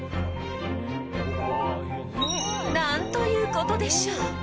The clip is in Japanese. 何ということでしょう。